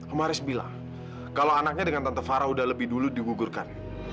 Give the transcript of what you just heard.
amaris bilang kalau anaknya dengan tante farah udah lebih dulu digugurkan